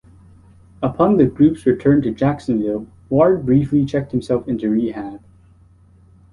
Upon the group's return to Jacksonville, Ward briefly checked himself into rehab.